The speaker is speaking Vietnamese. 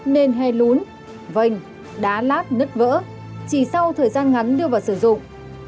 nên hẹn lún vênh đá lát nứt vỡ chỉ sau thời gian ngắn đưa vào sử dụng